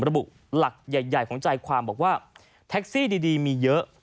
ระบุหลักใหญ่ของใจความบอกว่าแท็กซี่ดีมีเยอะ